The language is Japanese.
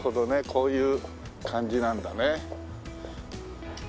こういう感じなんだね。